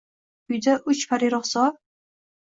Uyda uch pari ruxsor